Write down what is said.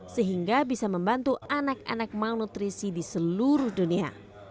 sehingga bisa membantu anak anak malnutrisi di seluruh dunia